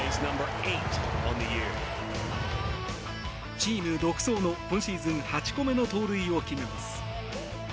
チーム独走の今シーズン８個目の盗塁を決めます。